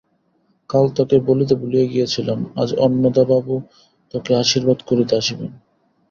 কাল তোকে বলিতে ভুলিয়া গিয়াছিলাম, আজ অন্নদাবাবু তোকে আশীর্বাদ করিতে আসিবেন।